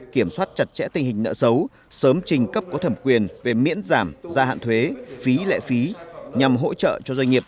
kiểm soát chặt chẽ tình hình nợ xấu sớm trình cấp có thẩm quyền về miễn giảm gia hạn thuế phí lệ phí nhằm hỗ trợ cho doanh nghiệp